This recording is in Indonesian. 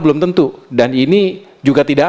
belum tentu dan ini juga tidak